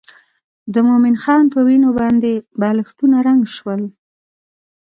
د مومن خان په وینو باندې بالښتونه رنګ شول.